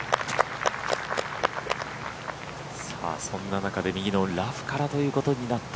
そんな中で右のラフからということになった